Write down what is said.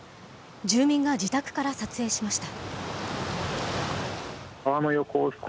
住民が自宅から撮影しました。